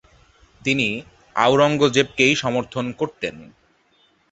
তিনি আওরঙ্গজেবকেই সমর্থন করতেন।